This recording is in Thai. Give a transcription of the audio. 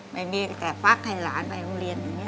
ไม่มีกับแฟ้งค่อยหลานไปโรงเรียน